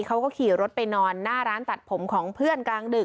เขาก็ขี่รถไปนอนหน้าร้านตัดผมของเพื่อนกลางดึก